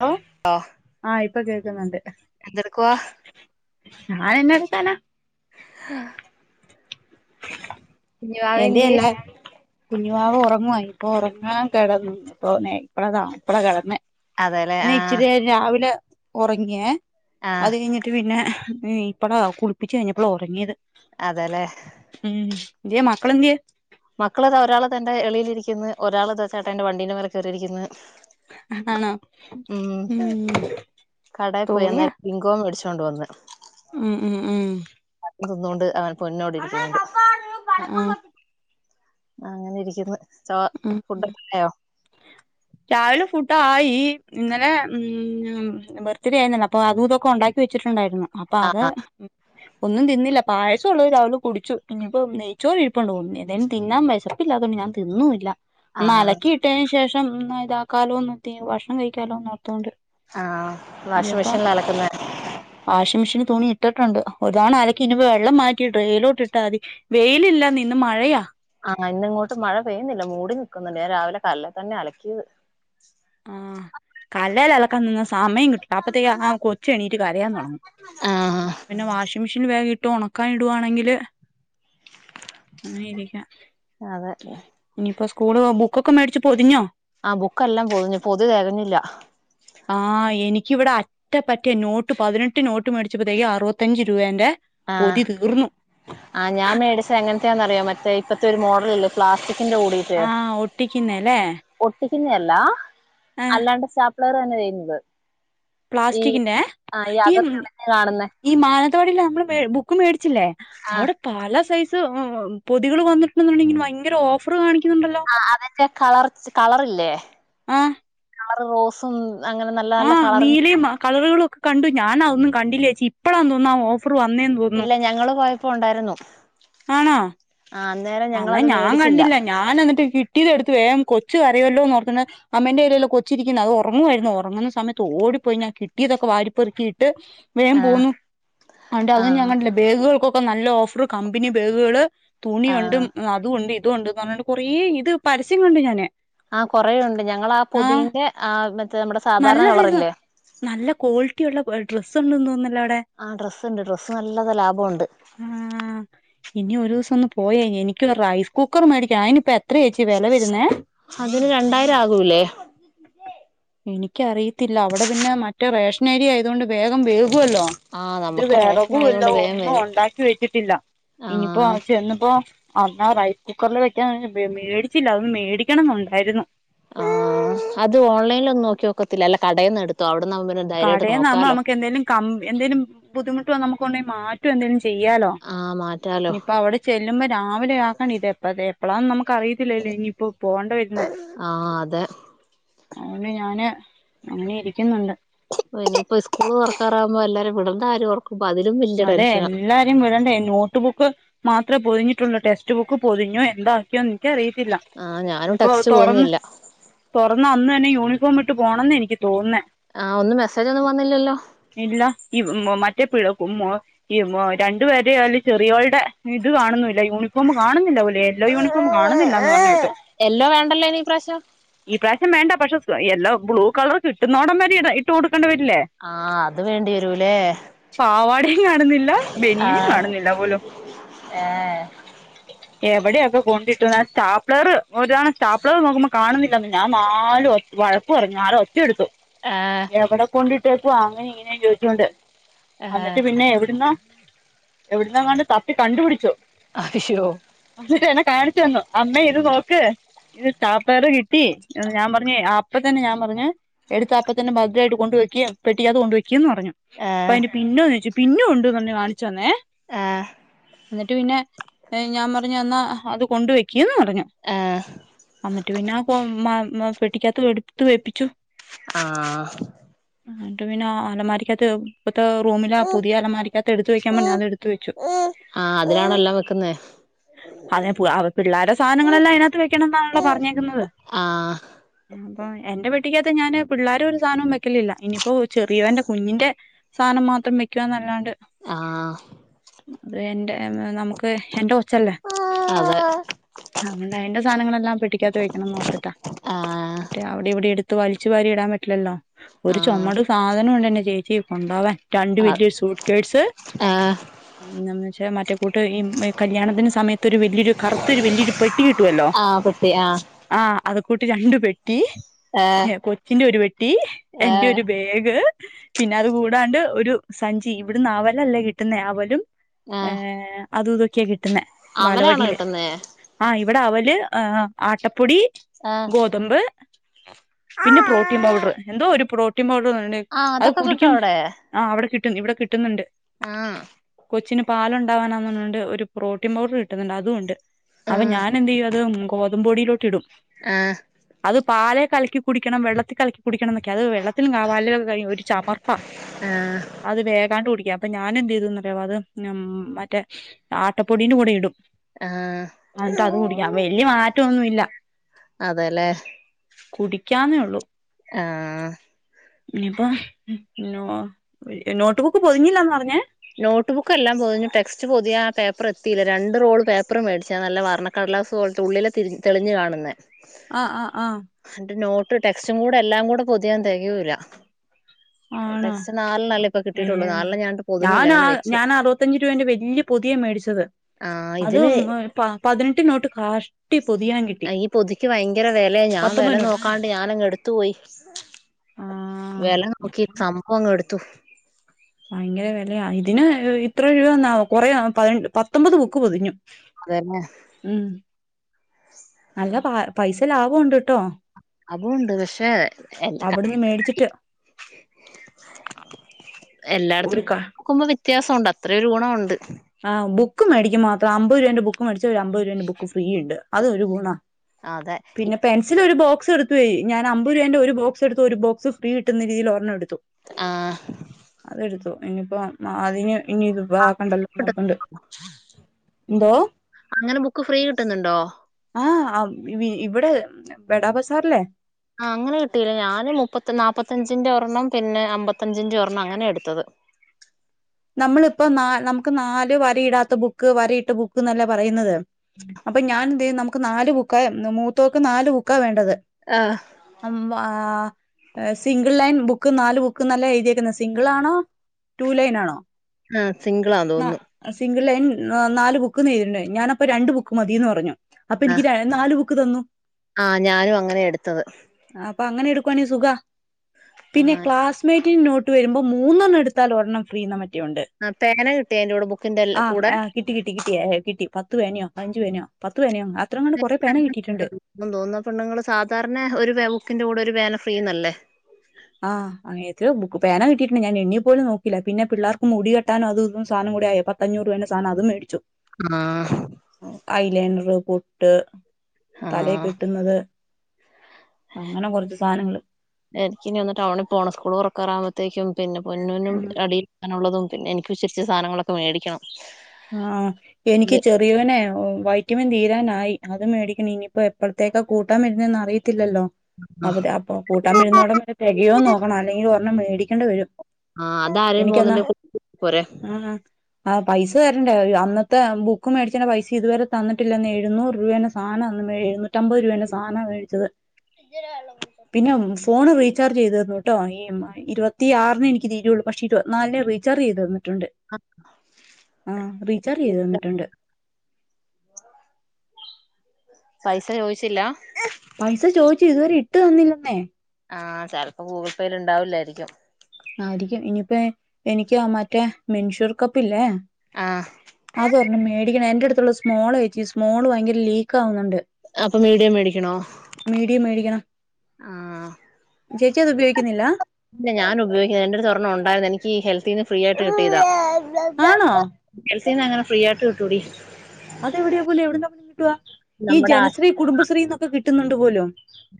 [unintelligible] ആ ഇ ഇപ്പൊ കേക്കുന്നുണ്ട് എന്തെടുക്കുവാ ഞാൻ [unintelligible] [unintelligible] കുഞ്ഞ് വാവ എന്തിയെ കുഞ്ഞ് വാവ ഉറങ്ങുവാ ഇനിപ്പോ ഉറങ്ങാൻ കിടന്നു ഇപ്പൊ ഇപ്പള ഇപ്പളാ കിടന്നെ അതെല്ലേ നീ ആഹ് ഇച്ചിരി രാവിലെ ഉറങ്ങിയെ ആഹ് അത് കഴിഞ്ഞിട്ട് പിന്നെ ഇപ്പളാ കുളിപ്പിച്ച് കഴിഞ്ഞപ്പോളാ ഉറങ്ങിയത് അതെല്ലേ ഉം ന്തിയെ മക്കൾ ന്തിയെ മക്കൾ ദാ ഒരാള് തെന്റെഎളിൽ ഇരിക്കുന്നു ഒരാൾ ദാ ചേട്ടാന്റെ വണ്ടീന്റെ മേൽ കയറിയിരിക്കുന്നു ആണോ ഉം തോണിയാ ച്ചോണ്ട് വന്ന് ഉം ഉം ഉം തിന്നുകൊണ്ട് അവൻ പൊന്നോടി ഇരിക്കുന്നുണ്ട് ആഹ് അങ്ങനെ ഇരിക്കുന്നു ചോ ഉം ഉം ഫുഡൊക്കെ ആയോ രാവിലെ ഫുഡായി ഇന്നലെ ഉം ബർത്ത് ഡേ ആയിരുന്നല്ലോ അപ്പൊ അതും ഇതൊക്കെ ഒണ്ടാക്കി വെച്ചിട്ടുണ്ടായിരുന്നു അപ്പ അത് ഒന്നും തിന്നില്ല പായസൊള്ളത് രാവിലെ കുടിച്ചു. ഇഞ്ഞിപ്പം നെയ്ച്ചോർ ഇരുപ്പുണ്ട് ഒന്നെ എന്തേലും തിന്നാൻ വെശപ്പില്ലാത്തോണ്ട് ഞാൻ തിന്നുവി ആഹ് ന്നലക്കിയിട്ടേന് ശേഷ് മ് ന്നായിതാക്കാലോ നിർത്തി ഭക്ഷണം കഴിക്കാലൊന്നോർത്തോണ്ട് ആഹ് വാഷിംഗ്‌ മെഷീലാ അലക്ക്ന്നെ വാഷിംഗ് മെഷീനിൽ തുണി ഇട്ടിട്ടുണ്ട് ഒര്തവണ അലക്കി ഇനിപ്പോ വെള്ളം മാറ്റി ഡ്രെയിലോട്ട് ഇട്ടാതി വെയിലില്ലാന്നെ ഇന്ന് മഴയാ ആഹ് ഇന്ന് ഇങ്ങോട്ട് മഴ പെയ്യുന്നില്ല. മൂടി നിക്ക്ന്നുണ്ട്. ഞാൻ രാവിലെ കല്ലെ തന്നെ അലക്കിയത്. കല്ലേല് അലക്കാൻ നിന്ന സമയം കിട്ട് അപ്പത്തേക്ക് ആ കൊച്ച് എണീറ്റ് കരയാൻ തൊടങ്ങും ആഹ് പിന്നെ വാഷിംഗ് മെഷീൻ വേഗയി ട്ടു ഒണക്കാൻ ഇടുവാണെങ്കില് അങ്ങെനെരിക്ക അതെ ഇഞ്ഞ്പ്പൊ സ് കൂള് ബുക്കൊക്കെ മേടിച്ച് പൊതിഞ്ഞോ ആഹ് ബുക്കെല്ലാം പൊതിഞ്ഞ് പൊതി തെഴഞ്ഞില്ല കി വിടെ അറ്റപ്പറ്റിയ നോട്ട് പതിനെട്ട് നോട്ട് മേടിച്ചപ്പോഴത്തേക്ക് അറുപത്തഞ്ച് രൂപേന്റെ ആ പൊതി തീർന്നു ആ ഞാൻ മേടിച്ച എങ്ങനത്തെയാന്ന അറിയോ മറ്റേ ഇപ്പത്തെ ഒരു മോ പ്ലാസ്റ്റി ആഹ് ഒട്ടിക്കുന്നേല്ലേ പിന്നെയല്ലാ അല്ലാണ്ട് സ പിള്ളേർന്ന വ്യുനത് പ്ലാസ്റ്റിക്കിന്റെ ഈമ് തെളിഞ്ഞ് കാണുന്നെ ഈ മാ പാടില്ല ബുക്ക് മേടിച്ചു [unintelligible] ച്ച് ലെ ആഹ് അവിടെ പാല സൈ ച്ച് ഓ പൊതുകൾ വന്നിട്ടുണ്ടെങ്കിൽ ഭയങ്കര ഓഫർ കാണി ആ അതന്റെ കളർ ച്ച് കളർ ഇല്ലേ റോസും അങ്ങനെ നല്ല ആ നല്ല കളറിങ് നീലയും കളറുളും കണ്ടുഞാനാതന്നും കണ്ടില്ലേച്ചി ഇപ്പഴാന്നഓ പ്പുറ വന്നേന്ന് തോന്നുന്നു ഇപ്പണ്ടായിരുന്നു ആ എന്നന്നാ ഞാൻ മേടിച്ചില്ല കണ്ടില്ല ഞാൻ എന്നിട്ട് കിട്ടിയത് എടു വേം കൊച്ചു കരയലോന് ഓർക്കണേ അമ്മേന്റെ കയ്യിലല്ലേ കൊച്ചിരിക്കുന്നത് അത് ഉറങ്ങുമായിരുന്നു ഉറങ്ങുന്ന സമയത്ത് ഓടിപ്പോയി ഞാൻ കിട്ടിയതക്കെ വാരിപേറികി ട്ട് വേം ആഹ് പോുന്നു അ ത് ഞ ആഹ് കണ്ടില്ല ബെഗുകൾക്കൊക്കെ നല്ല ടോ കമ്പനി ബേഗുകള് തുണി ഉ റ്റു ആഹ് അതുകൊണ്ട് ഇതൊണ്ട്ന്ന് പറഞ്ഞണ്ട് കൊറേ ഇത് പരസ്യങ്ങളുണ്ട് ഞാനാന് ആ കൊറെേയൂണ്ട് ഞങ്ങ ആ പൊതിന്റെ ആ മറ്റേ നമ്മുടെ നല്ല സാധാരണ കളർല്ലേ ഡ്രസ് ഒന്നുംന്നല്ല ആഹ് ഡ്രസ്സുണ്ട് ഡ്രസ്സ് നല്ലതാ ലാഭണ്ട് പോയി എനിക്കൊരു റൈസ് കുക്കർ മേടിക്കഅയിനിപ്പ എത അതിന് രണ്ടായിരം ആകൂല്ലേ എനിക്കറിയ ത്തില്ല അവിടെ പിന്നെ മറ്റ റേഷനരി ആയതുകൊണ്ട് വേഗം വേവും ല്ലോ ആഹ് ഇത് നമുക്ക് റേഷൻ വിറകുല്ല ആയതുകൊണ്ട് വേഗം ഒന്നും വരും ഉണ്ടാക്കി വെച്ചിട്ടില്ല ഇനിയിപ്പോ ആഹ് ചെന്നിപ്പോ [unintelligible] റൈസ് കുക്കറില് വെക്കാൻ വെ മേടിച്ചില്ല മേടിക്കണന്നുണ്ടായിരുന്നു ആ അത് ഓൺലൈലൊന്നു നോക്കിയോക്കത്തില്ലെ അല്ല കടയിന്നെടുത്തൊ അ കടേന്നാവുമ്പം നമ്മക്ക് എന്തേലും കം എന്തേലും ബുദ്ധിമുട്ട് വന്ന് നമു കൊണ്ടോയി മാറ്റോ എന്തേലും ചെ ചെയ്യാലോ ആഹ് മാറ്റാലോ ഞ്ഞിപ്പ അവിടെ ചെല്ലുമ്പോ രാവിലെ ആക്കണ ഇത് എപ്പതേ പ്പളാ നമ ക്കറിയത്തില്ലേലെ ഞ്ഞിപ്പോ പോണ്ട വര്ണെ ആഹ് അതെ അതോണ്ട് ഞാന് അങ്ങനെ ഇരിക്കിന്ന്ണ്ട് എനിപ്പം സ്കൂള് തൊറക്കാറാവുമ്പോ എല്ലാരുവ്ട [unintelligible] അതെ എല്ലാരേം വിടണ്ടേ നോട്ട് ബുക്ക് മാത്രേ പൊതിഞ്ഞിട്ടുള്ളു ടെസ്റ്റ് റ്റ് ബുക്ക് പൊതിഞ്ഞോ എന്താക്കിയോ ന്ക്ക് അറിയി ഇല്ല ആഹ് ഞാനും ഞ്ഞിപ്പോൾ ടെക്സ്റ്റ് തൊറന്ന് പോന്നില്ല തൊ തൊറ്ന്ന അന്നന്നെ യൂണിഫോമിട്ട് പോണന്നെനിക്ക് ആഹ് ഒന്നും മെസ്സേജൊന്നും വന്നില്ലല്ലോ ഇല്ല ഈ [unintelligible] [unintelligible] ഈ മൊ രണ്ട് പേര്ടെയ്ല് ചെറിയോൾടെ ഇത് കാണുന്നുല്ല യൂണിഫോമ് കാണുന്നില്ലപോലെ യില്ല യൂണിഫോം കാണുന്നില്ലാന്ന് പറഞ്ഞ് എ യല്ലോ വേണ്ടല്ലോ അയ്ന് ഇപ്രാശ്യം മേണ്ട പക്ഷെ യെല്ലോ ബ്ലൂ കളർ കിട്ടുന്നോടം വരെ ഇട ഇട്ട് കൊടു ആഹ് അത് വേണ്ടി വരൂലേ പാവാടയും കാണുന്നില്ല ബനിയനും ആഹ് കാണുന്നില്ല പോലും ഏഹ് എവിടെയൊക്കെ കൊണ്ടിട്ടുന്ന ആ സ്റ്റാപ്ലയറ് ഒരു തവണ സ്റ്റാപ്ലയറ് നോക്കുമ്പോ കാണുന്നില്ലാന്ന് ഞാൻ നാലു ഒ വഴക്ക് പറഞ്ഞു [unintelligible] ക്കെടുത്തു ആഹ് എവിടെ കൊണ്ട് ഇ ഇട്ടേക്കുവ അങ്ങനെയും ഇങ്ങനെയും ചോയിച്ചോണ്ട് ആഹ് അന്നിട്ട് പിന്നെ എവിടുന്നോ എവിടുന്നാങാണ്ട് തപ്പി കണ്ടുപിടിച്ചു അശ്യോ എന്നെ കാണിച്ചു തന്നു അമ്മെ ഇത് നോക്ക് ഇത് സ്റ്റാപ്പേറ് കിട്ടി ഞാൻ പറഞ്ഞെ അപ്പ തന്നെ ഞാൻ പറഞ്ഞു എടുത്താപ്പത്തന്നെ ഭദ്രായിട്ട് കൊണ്ടുവെയ്ക്ക് പെട്ടിക്കാത്ത് കൊണ്ട് വെയ് ക്ക്ന്ന് പറഞ്ഞു അപ്പൊ ആഹ് അയിൻ്റെ പിന്ന് ചോയിച്ചു പിന്നും ഉണ്ടുന്ന് പറഞ്ഞ് കാണിച്ച് തന്നേ ആഹ് എന്നിട്ട് പിന്നെ ഞാൻ പറഞ്ഞു എന്നാ അത് കൊണ്ട് വെയ്ക്ക് ക്ക്ന്ന് പറഞ്ഞ് ആഹ് എഅന്നിട്ട് പിന്നെ കൊ മ്മ മ പെട്ടിക്കാത്ത് വെടുത്ത് വേപ്പിച്ചു ആഹ് ട്ടു പിന്നാ അലമാരിക്കാത്ത് റൂമിലാ പുതിയ അലമാരിക്കകത്ത് എടുത്ത് വെക്കാൻ പറഞ്ഞ അത് എടുത്തു വെച്ചു. ആഹ് അതിലാണോ എല്ലാം വെക്കുന്നേ അതെ പിള്ളേരെ സാധനങ്ങളെല്ലാം അതിനകത്ത് വെക്കണം എന്നാണല്ലോ പറഞ്ഞേക്ക്ന്നത് ആഹ് ആഹ് എന്റെ പെട്ടിക്കാത്ത് ഞാന് പിള്ളേര ഒരു സാധനവും വെക്കലില്ല ഇനിപോ പ്പോ ചെറിയവന്റെ കുഞ്ഞിന്റെ സാനം മാത്രം വക്യാനല്ലാണ്ട് ആഹ് വേണ്ട നമുക്ക് എന്റെ കൊച്ചല്ലേ അതെ അങ്ങനെ എന്റെ സാധനങ്ങളെല്ലാം പെട്ടി ക്കാത്ത് വെക്കണംന്ന് ഓർത്തിട്ടാ ആഹ് മറ്റേ അവിടെ ഇവിടെ എട് ട്ടു വാലിച്ച് വാരി ഇടാൻ പ ലല്ലോ ഒരു ആഹ് ചൊമട് സാധനംണ്ട്ന്റെ ചേച്ചീമ് കൊണ്ടോവൻ രണ്ട് ആഹ് വല്യൊരു സൂട്ട് കേട്ട്സ് ആഹ് പിന്നെന്താച്ച മറ്റേ കൂട്ട് ഈ കല്യാണത്തിന് സമയത്ത് ഒരു വല്യരു കറുത്ത് ഒരു വല്യൊരു പെട്ടി കിട്ടുവല്ലോ ആഹ് പട്ടി ആഹ് ആഹ് അത് കൂട്ടി രണ്ടു പെ ട്ടീ ഏഹ് കൊച്ചിന്റെ ഒരു പെട്ടി എന്റെ ഏഹ് ഒരു ബാഗ് പിന്നെ കൂടാണ്ട് ഒരു സഞ്ചി ഇവിടുന്ന് അവലല്ലേ കിട്ടുന്നെ അവലും ആഹ് ഏഹ് അതുതെക്ക്യ കിട്ടു അവലാണോ വാലവാടിയില് കിട്ടുന്നേ ആഹ് ഇ ഇവ്ടെ അവല് ഏഹ് ആട്ടപ്പൊ പൊടീ ആഹ് ഗോതമ്പ്, പിന്നെ പ്രോട്ടീൻ പൗട്റ് എന്തോ ഒരു പ്രോ പ്രൊട്ടിൻ പൗഡർ നല്ലേ ആഹ് അത് അതൊക്കെ കിട്ടും അവിടെ അവ്ടെ കിട്ടും ഇവിടെ കിട്ടുന്നുണ്ട് ആഹ് കൊച്ചിന് പാലുണ്ടാവാനന്നറഞ്ഞിട്ട് ഒരു പ്രോട്ടീൻ പൗഡർ കിട്ടുന്നുണ്ട് അതുമുണ്ട് അപൊ ആഹ് ഞാനെന്തിയ്യത് ഉം ഗോതമ്പൊടിയിലോ- ഇടും ആഹ് അത് പാലേ- കലക്കി കുടിക്കണം വെള്ളത്തി കല ക്കി കുടിക്കണം ന്നൊക്കെ അത് വെള്ളത്തില് [inaudible] കാവാലേ കൈ ചമർപ്പ ആഹ് അത് വേഗാണ്ട് കുടിക്കാം അപ്പൊ ഞാൻ എന്തെയ്തുന്നറിയാവോ അത് മറ്റെ ആട്ടപ്പൊടീന്റെ കൂടെ ഇടും ആഹ് ആ എന്നിട്ട് അത് കുടിക്കാം വലിയ മാറ്റംഒന്നുമില്ല അതെല്ലേ കുടിക്കാന്നേ ഉള്ളൂ ആഹ് ഇനി ഇപ്പോ നോ നോട്ട് ബുക്ക് എല്ലാം പൊതിഞ്ഞ് ടെക്സ്റ്റ് പൊതിയാൻ പേപ്പർ എത്തിയില്ല. രണ്ട് റോൾ പേപ്പർ വാങ്ങിച്ചു. ഉള്ളിൽ തെളിഞ്ഞു കാണുന്നത് ആ ആ ആഹ് നോട്ട് ടെക്സ്റ്റും കൂടെ എല്ലാം കൂടാ പൊതിയാൻ [unintelligible] ഇരുപതു രൂപ ആണോ ടെക്സ്റ്റ് നാലെണ്ണം അല്ലെ ഇപ്പൊ കിട്ടിയിട്ടുള്ളു നാലെണ്ണം ഞാ ഞാൻ ആ ഞാൻ അറുപത്തഞ്ച് രൂപേന്റെ വലിയ പൊതിയ മേടിച്ചത് ആ ഇതിന് പതിനെട്ട് നോട്ട് കഷ്ടി പൊതിയൻ കിട്ടി ഈ പൊതിക്ക് ഭയങ്കര വിലയ ഞാൻ വില പത്തൊമ്പത് നോട്ട് നോക്കാണ്ട് ഞാനങ്ങ് എടുത്തു പോയി ആ വില [unintelligible] നോക്കി സംഭവം ഇങ്ങ് എടുത്തു ഭയങ്കര വെലയാ ഇതിന് ഇത്ര രൂപേന്നാവും കൊറേ [unintelligible] പത്തൊമ്പത് ബുക്ക് പൊതിഞ്ഞു അതുതന്നെ ഉം നല്ല പൈസ ലാഭം ഉണ്ട്ട്ടോ അതുംണ്ട് പക്ഷെ എന്താ അവിടുന്ന് മേടിച്ചിട്ട് [unintelligible] എല്ലാടത്തും നോക്കുമ്പോ വ്യത്യാസമുണ്ട് അത്ര ഒരു ഗുണമുണ്ട് ബുക്ക്‌ മേടിക്കമ്പ മാത്ര അമ്പത് രൂപേന്റ ബുക്ക്‌ മേടിച്ച ഒരു അമ്പത് രൂപേന്റ ബുക്ക് ഫ്രീ ഉണ്ട് അത് ഒരു ഗുണാ അതെ പിന്ന പെൻസിൽ ഒരു ബോക് സൊറിപ്പെയ് ഞാനമ്പത് രു വന്റെ ഒര് ബോക്സെടുത്തു [unintelligible] ഒരു ബോക്സ് ഫ്രീ കിട്ടുന്ന രീതിൽ ഒരെണ്ണടുത്ത് ത്തു ആ അതെടുത്തു ഇനിപ്പോ [unintelligible] മാതിന് ഇന്നി ഇത് വാക്കണ്ടല്ലോ [unintelligible] [inaudible] ന്തോ [inaudible] അങ്ങനെ ബുക്ക് ഫ്രീ കിട്ടുന്നുണ്ടോ ആഹ് ആ ഇവി വ് ഇവിട്ബെടാ ബസാറിലേ ആ അങ്ങനെ കിട്ടീണ് ഞാന് മുപ്പത്തി നാപ്പത്തഞ്ചിന്റെ ഒരെണ്ണം പിന്നെ അമ്പത്തഞ്ചിന്റെ ഒരെണ്ണം അങ്ങനെ എടുത്തത് നമ്മളിപ്പോ നാ നമുക്ക് നാല് വരയിടാത്ത ബുക്ക് വരയിട്ട ബുക്ക് എന്നല്ലേ പറയുന്നത് അപ്പൊ ഞാൻ ന്ത്‌ ചെയ്യും നമു മുക്ക് നാല് ബുക്ക്‌ മൂത്തോക്ക് നാല് ബുക്കാ വേണ്ടത് ആ അമ്പ ആഹ് ഏഹ് സിംഗിൾ ലൈൻ ബുക്ക് നാല് ബുക്ക്ന്നല്ലേ എഴുതിയേക്കുന്ന സിംഗിൾ ആണോ റ്റു ലൈൻ ആണോ ആഹ് സിംഗിളാന്ന് തോന്നുന്നു ഗിൾ ലൈൻ നാല് ബുക്ക്ന്ന് എഴുതീണ് ഞാനപ്പ രണ്ട് ബുക്ക് മതീന്ന് പറഞ്ഞു അപ്പെനിക്യ് [unintelligible] ന്നാലുബുക് ക്ക് തന്നു ആഹ് ഞാനും അങ്ങനെ എടുത്തത് പ്പൊ അങ്ങനെ എടുക്കുവാണേ സുഖ പിന്നെ ആ ക്ലാസ്മേറ്റ് റ്റ് ഇന്നോട്ട് വരുമ്പോ മൂന്നെണ് എടുത്താൽ ഒരെണ്ണം ഫ്രീ ന്നാ മറ്റ് ആ പേന കിട്ടിയതിന്റെകൂടെ ബുക്കിന്റെല്ല ആ കൂടെ കിട്ടി കിട്ടി കിട്ടി കിട്ടി പത്ത് പേനയോ പതിനഞ്ച് പേനയോ പത്ത് പേനയോ അത്രങ്ങാണ്ട് കൊറെ പേന കിട്ടിയിട്ടുണ്ട് [unintelligible] തോന്നപെണ്ണുങ്ങള് സാധാരണ ഒരു പേ ബുക്കിന്റെ കൂടെ ഒരു പേന ഫ്രീ നല്ലേ ആഹ് അനിയത്ബുക്ക്‌പേന കിട്ടിട്ടുണ്ട് ഞാൻ എണ്ണ്യേപോലും നോക്കില്ല പിന്ന പിള്ളേർക്ക് മുടി കെട്ടാനും അതുമിതും സാനം കൂടെ ആയി പത്ത് അഞ്ഞൂറ് രൂപേന്റെ സാനം അതും മേടിച്ചു ആഹ് ഐലേനെർ പൊട്ട് ട്ട് തലേ ആഹ് കെട്ടുന്നത് അങ്ങനെ കൊറച്ച് സാനങ്ങള് പോണ സ്കൂള് തൊറക്കാറുമ്പോത്തേക്കും പിന്നെ പൊന്നുനും അടിയിരിക്കാനുള്ളതും പിന്നെ എനിക്കു [unintelligible] ശ്വച്ച സാനങ്ങളൊക്കെ മേടിക്കണം ആഹ് എനിക്ക് ചെറിയോനെ വൈറ്റമിൻ തീരാനായി അത് മേടിക്കണം ഇനിയിപ്പോ എപ്പളത്തേക്ക കൂട്ടാൻ വരുന്നെന്നറിയി ത്തില്ലല്ലോ ആഹ് അവിടെ അപ്പൊ കൂട്ടാൻ വരുന്നോടം [unintelligible] തിക യോ നോക്കണം അല്ലെങ്കിൽ ഒരെണ്ണം മേടിക്കേണ്ടി വരും ആഹ് അതാരേലും എനിക്കെന്നാ പോകുന്നുണ്ടെ പോരെ ആ ആ പായിസ് അത് തരണ്ടേ അന്നത്തെ ബുക്ക് മേടിച്ചൻ്റെ പൈസ ഇതുവരെ തന്നിട്ടില്ലന്നേ എഴുന്നൂറ് രൂപന്റെ സാനമന്ന് മേട് മുന്നൂറ്റമ്പത് രൂപന്റെ സാനാ മേടിച്ചത് പിന്നെ ഫോൺ റീ ചാർജ് ചെയ്ത് തന്നോ ട്ടോ ഇ എം ഐ ഇരുപത്തി ആറ് അന്നേ എനിക്ക് തീരുള്ളൂ പക്ഷേഇരുപത്തിനാലിനു റീചാർജ് ചെയ്ത് തന്ന് ആഹ് ആഹ് റീചാർജ് ചെയ്ത് തന്നിട്ടുണ്ട് പൈസ ചോയിച്ചില്ല പൈസ ചോദിച്ചു ഇതുവരെ ഇട്ട് തന്നില്ലന്നേ ആഹ് ചിലപ്പോ ഗൂഗിൾ പേയിൽ ഇണ്ടാവൂല്ലായിരിക്കും ആയിരിക്കും ഇനിയിപ്പേ എനിക്ക് മറ്റേ മെൻഷൂർ കപ്പ് ഇല്ലേ ആഹ് അത് ഒരെണ്ണം മേടിക്കണം എന്റെ അടുത്ത് ടുത്തുള്ള സ്മോളചേച്ചി സ്‌മോള് ഭയങ്കര ലീക്ക് ക്കാകുന്നുണ്ട് അപ്പൊ മീഡിയം മേടിക്കണോ മീടിയം മേടിക്കണം ആഹ് ചേച്ചി അത് ഉപയോഗിക്കുന്നില്ല എൻ്റട്ത്ത് ഒരണ്ണം ഒണ്ടായിരുന്നു. എനിക്ക് ഹെൽത്തീന്ന് ഫ്രീ ആയിട്ട് കിട്ടിയതാ ആണോ ഗൾഫീന്നങ്ങന ഫ്രീയാട്ട് കിട്ടോടി അതെവിടെയാ പോലെ എവി ട്ന്നോ ത്‌വാ ഈ നമ്മുടെ ആശു ജനശ്രീ കുടുംബശ്രീ ന്നൊക്കെ കി തിന്നൊണ്ട് പോലും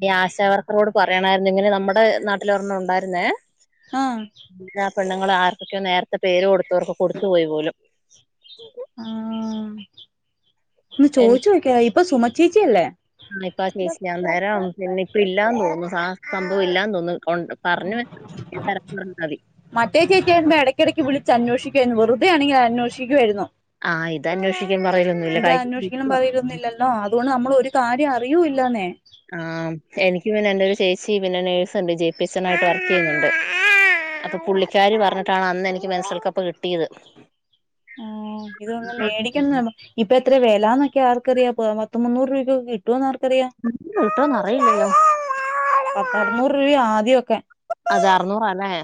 ഈ ആശാവർക്കറോട് പറയണാരുന്നു ഇങ്ങനെ നമ്മ്ടെ നാട്ടിലൊരണ്ണം ഒണ്ടാരുന്നേ ആഹ് പെണ്ണ്ങ്ങള് ആർക്കക്കയോ നേരത്തെ പേര് കൊടു ത്തവർക്ക് കൊടുത്തു പോയി പോലും [unintelligible] ആ ഇന്ന് ചോയ്ച്ചോക്കായി ഇപ്പ സുമ ചേച്ചി അല്ലേ അ ഇപ്പ ചേച്ചി ഞാൻ നേരം പിന്നെ ഇപ്പ ഇല്ലാന്ന് തോന്നുന്നു ആ സംഭവം ഇല്ലാന്ന് തോന്നുന്നു കൊണ്ട് പറഞ്ഞു വെ തര പറഞ്ഞാതി യ്ക്ക ആരുന്നു വെറുതെ ആണെങ്കി അ അന്വേഷിക്കു ആയിരുന്നു ആ ഇത് അന്വേഷിക്കാൻ പറയലൊന്നുമില്ല ഇത് അന്വേഷിക്ക്ന്നും കഴിഞ്ഞ പറയരുന്നില്ലല്ലോ അതുകൊണ്ട് നമ്മളൊര് കാര്യം അറിയൂ ഇൽ തന്നെ ആ എനിക്ക് പിന്നെ എന്റെ ഒരു ചേച്ചി പിന്നെ നേഴ്സൊണ്ട് ജെ പി സണായിട്ട് വർക്ക് എയ്യുന്ന [inaudible] ചെയ്യുന്നുണ്ട് അപ്പ പുള്ളിക്കാരി പറഞ്ഞിട്ടാണ് അന്ന്ന്നെ എനിക്ക് മെൻസൽക്കപ്പ് കിട്ടിയത് ആ ഇതൊന്ന് മേടിക്ക്ന്ന് വ ഇപ്പ എത്ര വെലാന്നൊക്കെ ആർക്കറിയ ഇപ്പോ പത്തു മുന്നൂറ് റ്‌രൂപകിട്ടോന്ന് ആർ ഇന്ന് കിട്ടോന്നറിയില്ലല്ലോ പത്തറുന്നൂറ് രൂപ ആദ്യമൊക്കെ അത് അറ്നൂറാല്ലേ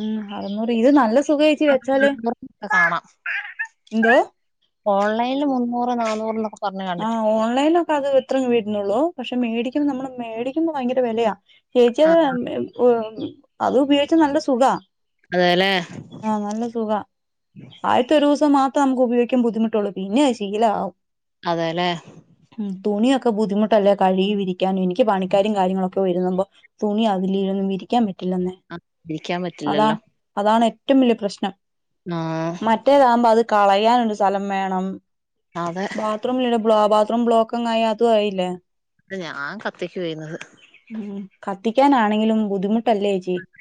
ഉം അറുന്നൂറ് ഇത് നല്ല സുഖ ഏച്ചി വെച്ചാല്. കാണാം ന്തോ ഇപ്പ നാനൂറിനൊക്കെ ആ ഓൺലൈനൊക്ക അത് ഇത്രേം വരുന്നുള്ളൂ പക്ഷെ ഇത് മേടിക്കുന്ന നമ്മള് മേടിക്കുന്ന ഭയങ്കര വെലെയാ ചേച്ചി ആ അത് മ് ങ് അത് ഉപയോഗിച്ച നല്ല സുഖാ അതെല്ലേ ആ നല്ല സുഖാ ആയിത്തൊരു സ് ഇത് മാത്തം നമുക്ക് ഉപയോഗിക്കാൻ ബുദ്ധിമുട്ടൊള്ളൂ പിന്നെ ശീല ആവും അതെല്ലേ തുണിയൊക്ക ബുദ്ധിമുട്ടല്ലേ കഴികി വിരി എനിക്ക് പണിക്കാരിം കാര്യങ്ങളൊ പ്പം വിരുന്നുമ്പോ തുണി അതിലിരുന്ന് വിരിക്കാൻ പ ഇല്ലന്നേ ആ ഇരിക്കാൻ അതാ പറ്റില്ലല്ലോ അതാണ് ഏ റ്റം വല്ല്യ പ്രശ്നം ആ മറ്റേതാവുമ്പോ അത് കളയാനൊരു സ്ഥലം മേണം അതെ ബാത്‌റൂമിലൊരു ബ്ലാ ബാത്റൂം ബ്ലോക്കങ് ആയ അതും ആയില്ലേ ഞാൻ കത്തിക്കു ആയിരുന്നു കത്തിക്കാനാണങ്കിലും ബുദ്ധിമു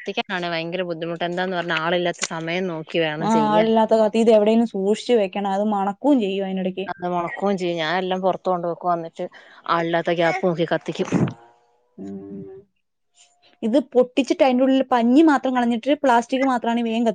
ത്തിക്കാനാണ് ഭയങ്കര ബുദ്ധിമുട്ട് എന്താന്ന് പറഞ്ഞാ ആളില്ലാത്ത സമയം നോ ആ ആളില്ലാത്ത കത്തി ഇത് എവിടേലും സൂക്ഷിച്ച് വെക്കണം അത് മണ കൂൻ ചെയ്യുവാൻ അത് മുണക്കും ചെയ്യും ഞാൻ എല്ലാം പുറത്ത കൊണ്ട് വയ്ക്കും അന്നി ആല്ലാത്ത ഗ്യാപ്പ് നോക്കി കത്തിക്കും ഉ ഇത് പു ത്തിച്ചിട്ട് അയ്‌ന്റുള്ളിൽ പഞ്ഞി മാത്രം കളഞ്ഞിട്ട് പ്ലാസ്റ്റിക്ക് മാത്രാണ് വേ ക